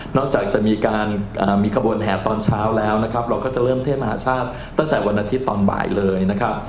จากจะมีการมีขบวนแห่ตอนเช้าแล้วนะครับเราก็จะเริ่มเทศมหาชาติตั้งแต่วันอาทิตย์ตอนบ่ายเลยนะครับ